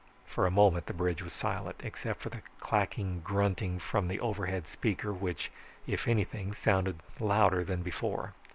For a moment the bridge was silent, except for the clacking grunting from the overhead speaker which, if anything, sounded louder than before.